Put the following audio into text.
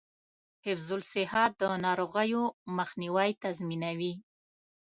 حفظ الصحه د ناروغیو مخنیوی تضمینوي.